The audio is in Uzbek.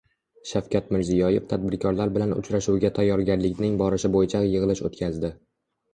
Shavkat Mirziyoyev tadbirkorlar bilan uchrashuvga tayyorgarlikning borishi bo‘yicha yig‘ilish o‘tkazdi